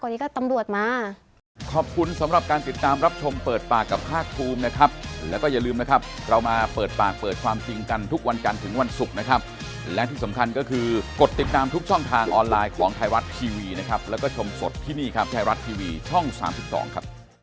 ทีมันไม่เป็นอะไรแล้วถ้าจะเอามากกว่านี้ก็ตำรวจมา